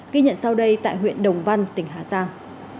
ghi nhận sau đây tại huyện đồng văn tỉnh hà giang